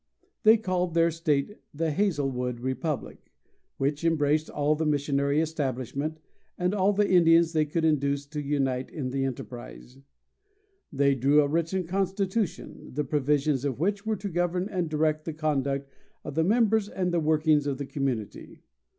They called their state "The Hazelwood Republic," which embraced all the missionary establishment, and all the Indians they could induce to unite in the enterprise. They drew a written constitution, the provisions of which were to govern and direct the conduct of the members and the workings of the community.